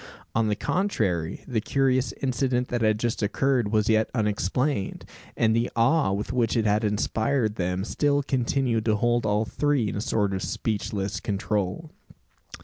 On the contrary, the curious incident that had just occurred was yet unexplained; and the awe with which it had inspired them still continued to hold all three in a sort of speechless control.